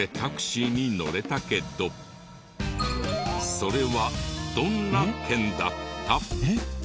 それはどんな券だった？